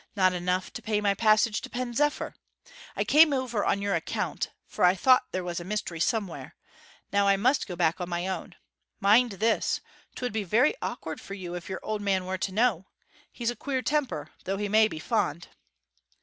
Not enough to pay my passage to Pen zephyr. I came over on your account, for I thought there was a mystery somewhere. Now I must go back on my own. Mind this 'twould be very awkward for you if your old man were to know. He's a queer temper, though he may be fond.'